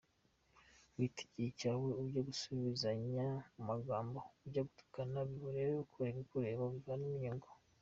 Wita igihe cyawe ujya gusubizanya mu magambo, ujya gutukana, bihorere, ukore ibikureba, ubivanemo inyungu.